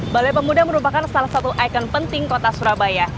balai pemuda merupakan salah satu ikon penting kota surabaya